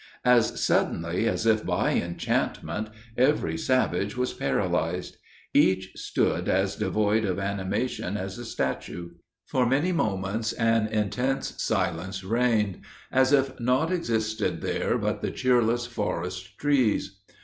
As suddenly as if by enchantment every savage was paralyzed. Each stood as devoid of animation as a statue. For many moments an intense silence reigned, as if naught existed there but the cheerless forest trees.